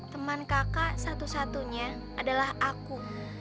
teman kakak satu satunya adalah aku